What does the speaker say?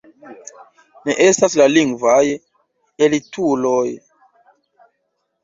Ni estas la lingvaj elituloj!